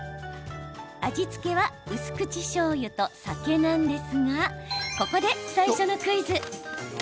味付けは薄口しょうゆと酒なんですがここで、最初のクイズ。